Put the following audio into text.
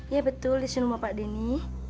ya betul disini rumah pak denny